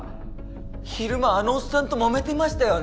昼間あのおっさんともめてましたよね？